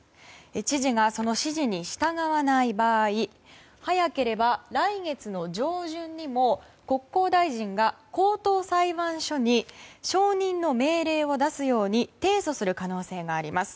知事がその指示に従わない場合早ければ来月の上旬にも国交大臣が高等裁判所に承認の命令を出すように提訴する可能性があります。